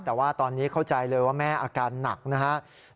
แต่ว่าตอนนี้เข้าใจเลยว่าแม่อาการหนักนะครับ